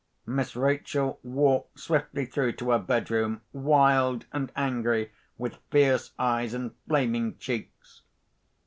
Miss Rachel walked swiftly through to her bedroom, wild and angry, with fierce eyes and flaming cheeks.